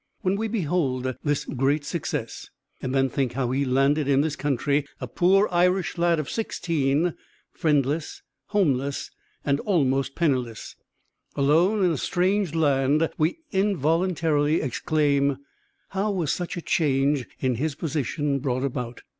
When we behold this great success, and then think how he landed in this country a poor Irish lad of sixteen, friendless, homeless, and almost penniless, alone in a strange land, we involuntarily exclaim, "How was such a change in his position brought about?"